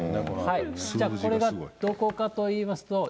じゃあ、これがどこかといいますと。